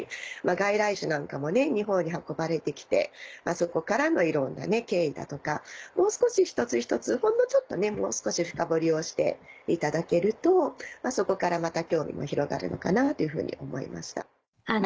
外来種なんかもね日本に運ばれて来てそこからのいろんな経緯だとかもう少し一つ一つほんのちょっとねもう少し深掘りをしていただけるとそこからまた興味も広がるのかなというふうに思いました。